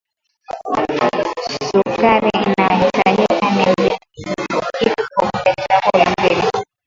Sukari inayohitajika nivijiko vya chakula mbili